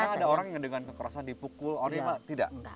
ada orang yang dengan kekerasan dipukul orang ini tidak